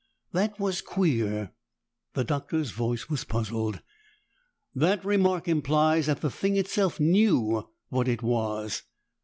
"That was queer!" The Doctor's voice was puzzled. "That remark implies that the thing itself knew what it was.